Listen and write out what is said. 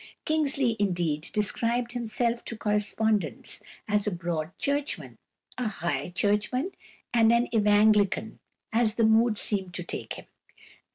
Kingsley, indeed, described himself to correspondents as a Broad Churchman, a High Churchman, and an Evangelical, as the mood seemed to take him.